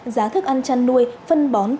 giá thức ăn chăn nuôi phân bón tăng lâu